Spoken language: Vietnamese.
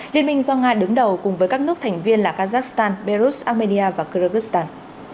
liên minh do nga đứng đầu cùng với các nước thành viên là kazakhstan belarus armenia và kyrgyzstan